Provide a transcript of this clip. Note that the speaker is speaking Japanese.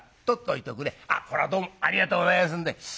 「あっこらどうもありがとうございますんで。